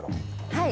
はい。